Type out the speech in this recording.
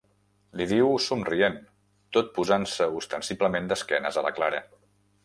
Li diu somrient, tot posant-se ostensiblement d'esquenes a la Clara—.